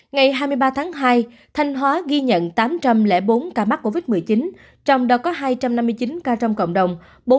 ngày hai mươi ba tháng hai thanh hóa ghi nhận tám trăm linh bốn ca mắc covid một mươi chín trong đó có hai trăm năm mươi chín ca trong cộng đồng